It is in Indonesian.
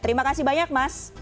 terima kasih banyak mas